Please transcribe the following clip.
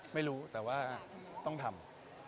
ไม่รู้แต่ว่าต้องทำ